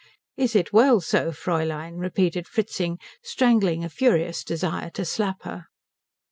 "Is it well so, Fräulein?" repeated Fritzing, strangling a furious desire to slap her.